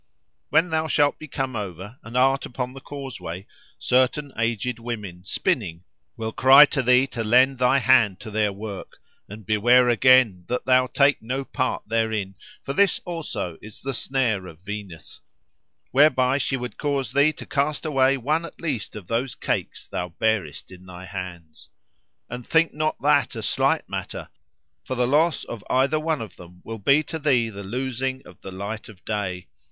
"When thou shalt be come over, and art upon the causeway, certain aged women, spinning, will cry to thee to lend thy hand to their work; and beware again that thou take no part therein; for this also is the snare of Venus, whereby she would cause thee to cast away one at least of those cakes thou bearest in thy hands. And think not that a slight matter; for the loss of either one of them will be to thee the losing of the light of day.